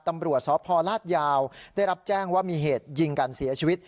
ตำรวจสพลาดยาวได้รับแจ้งว่ามีเหตุยิงกันเสียชีวิต